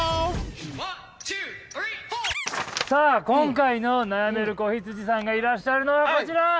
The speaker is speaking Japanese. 今回の悩める子羊さんがいらっしゃるのはこちら！